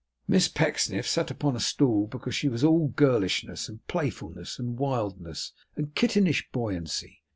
Miss Pecksniff sat upon a stool because she was all girlishness, and playfulness, and wildness, and kittenish buoyancy.